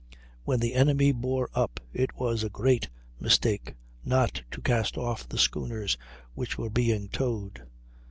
When the enemy bore up it was a great mistake not to cast off the schooners which were being towed.